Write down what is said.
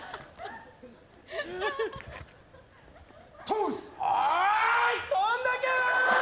どんだけー。